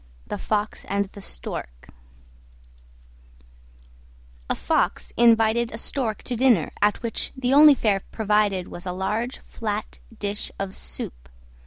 THE FOX AND THE STORK A Fox invited a Stork to dinner, at which the only fare provided was a large flat dish of soup.